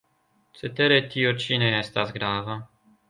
Cetere tio ĉi ne estas grava.